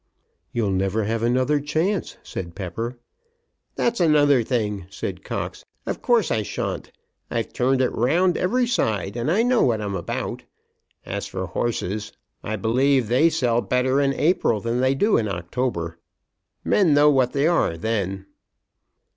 "You'll never have another chance," said Pepper. "That's another thing," said Cox. "Of course I shan't. I've turned it round every side, and I know what I'm about. As for horses, I believe they sell better in April than they do in October. Men know what they are then."